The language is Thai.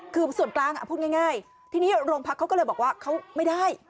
คือส่วนกลางพูดง่ายทีนี้โรงพักเขาก็เลยบอกว่าเขาไม่ได้